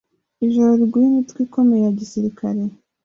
ijoro riguye, imitwe ikomeye ya gisirikari